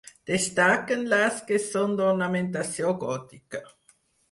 Destaquen les que són d'ornamentació gòtica.